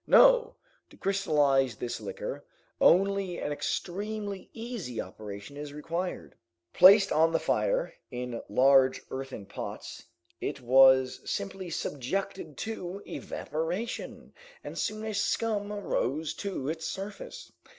No! to crystallize this liquor, only an extremely easy operation is required. Placed on the fire in large earthen pots, it was simply subjected to evaporation, and soon a scum arose to its surface.